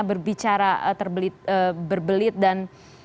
berbicara berbelit dan